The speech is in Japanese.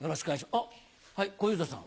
あっはい小遊三さん。